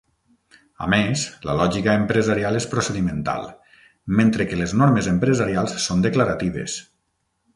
A més, la lògica empresarial és procedimental mentre que les normes empresarials són declaratives.